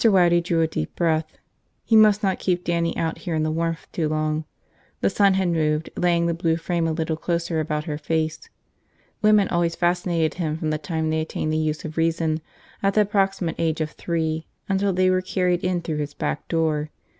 Waddy drew a deep breath. He must not keep Dannie out here in the warmth too long. The sun had moved, laying the blue frame a little closer about her face. Women always fascinated him from the time they attained the use of reason at the approximate age of three until they were carried in through his back door.